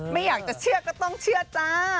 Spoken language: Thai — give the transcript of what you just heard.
ไม่อยากจะเชื่อก็ต้องเชื่อจ้า